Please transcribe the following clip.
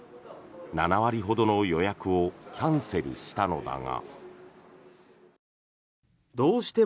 ７割ほどの予約をキャンセルしたのだが。